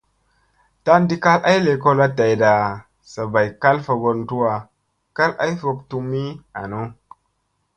Tandii kal ay lekolla dayɗa saa bay kal fogon tuwa kal ay fok tummi anu.